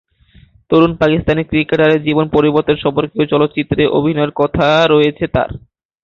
তরুণ পাকিস্তানি ক্রিকেটারের জীবন পরিবর্তন সম্পর্কীয় চলচ্চিত্রে অভিনয়ের কথা রয়েছে তার।